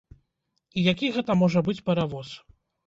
І які гэта можа быць паравоз?